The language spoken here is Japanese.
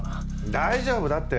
大丈夫だって！